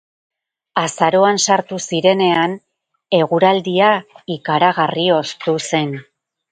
Azaroan sartu zirenean, eguraldia ikaragarri hoztu zen.